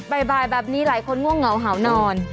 บ่ายแบบนี้หลายคนง่วงเหงาเห่านอน